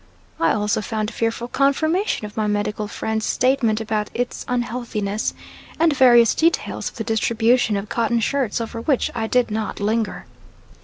I also found fearful confirmation of my medical friends' statements about its unhealthiness, and various details of the distribution of cotton shirts over which I did not linger.